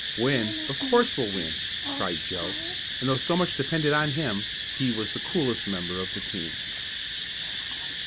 "Win! Of course we'll win!" cried Joe, and though so much depended on him, he was the coolest member of the team.